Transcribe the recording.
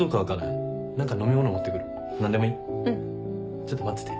ちょっと待ってて。